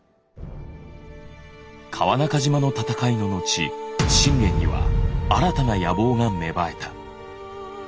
川中島の戦いの後信玄には新たな野望が芽生えた。